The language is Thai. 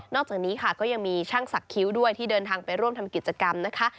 อกจากนี้ค่ะก็ยังมีช่างสักคิ้วด้วยที่เดินทางไปร่วมทำกิจกรรมนะคะ